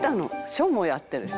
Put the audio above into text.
「書もやってるし」